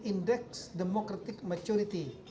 indeks demokratik maturity